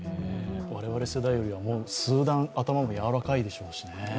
我々世代よりは数段頭もやわらかいでしょうしね。